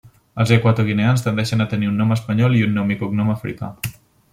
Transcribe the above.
Els equatoguineans tendeixen a tenir un nom espanyol i un nom i cognom africà.